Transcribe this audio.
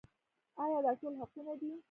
آیا دا ټول حقونه دي؟